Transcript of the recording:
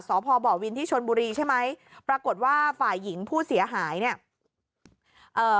พบวินที่ชนบุรีใช่ไหมปรากฏว่าฝ่ายหญิงผู้เสียหายเนี่ยเอ่อ